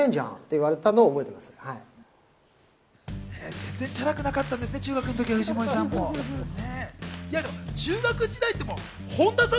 全然チャラくなかったんですね、中学生の時の藤森さん。